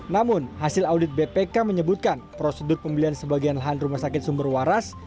namun hasil audit bpk menyebutkan prosedur pembelian sebagian lahan rumah sakit sumber waras